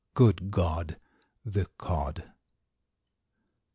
Good God! The Cod.